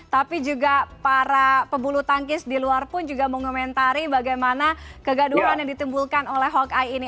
tapi juga para pebulu tangkis di luar pun juga mengomentari bagaimana kegaduhan yang ditimbulkan oleh hawkey ini